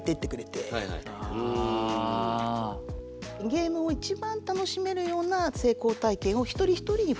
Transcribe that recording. ゲームを一番楽しめるような成功体験を一人一人にフォーカスしてる。